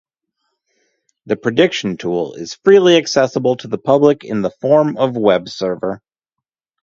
The prediction tool is freely accessible to public in the form of web server.